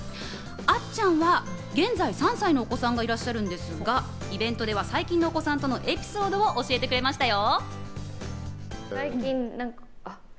あっちゃんは現在３歳のお子さんがいらっしゃるんですが、イベントでは最近のお子さんとのエピソードを教えてくれましたよ。